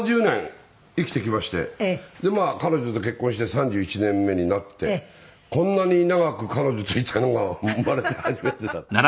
でまあ彼女と結婚して３１年目になってこんなに長く彼女といたのが生まれて初めてだった。